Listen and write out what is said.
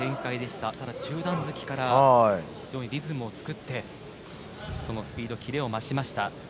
ただ、中段突きから非常にリズムを作ってそのスピード、キレを増しました。